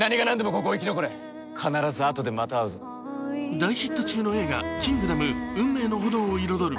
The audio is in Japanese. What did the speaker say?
大ヒット中の映画「キングダム運命の炎」を彩る